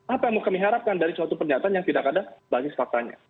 apa yang mau kami harapkan dari suatu pernyataan yang tidak ada basis faktanya